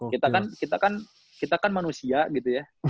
kita kan kita kan kita kan manusia gitu ya